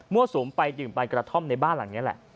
สุมไปดื่มไปกระท่อมในบ้านหลังนี้แหละ